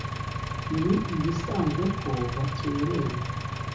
ni ibisanzwe ko bakererwa